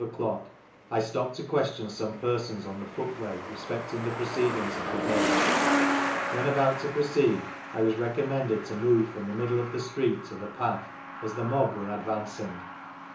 ' On entering Mosley Street at 12 o'clock I stopped to question some persons on the footway respecting the proceedings of the day. When about to jwoceed, 1 was recommended to move from the middle of the street to the path, as the mob were advancing.